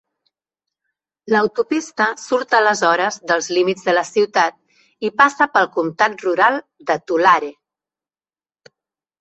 L'autopista surt aleshores dels límits de la ciutat i passa pel comtat rural de Tulare.